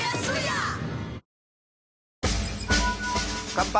乾杯！